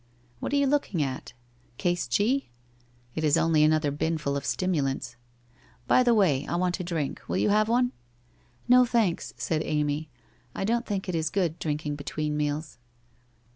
What are you looking at? Case G? It is only another binful of stimulants. By the way, I want a drink. Will you have one? ' 1 Xo, thanks,' said Amy. ' I don't think it is good drinking between meals.'